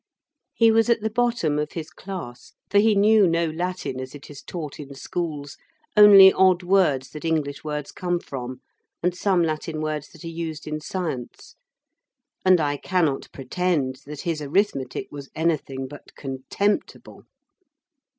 He was at the bottom of his class, for he knew no Latin as it is taught in schools, only odd words that English words come from, and some Latin words that are used in science. And I cannot pretend that his arithmetic was anything but contemptible.